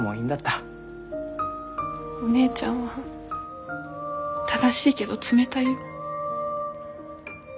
お姉ちゃんは正しいけど冷たいよ。